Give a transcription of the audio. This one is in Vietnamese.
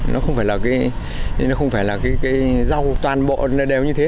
nó không phải là cái rau toàn bộ đều như thế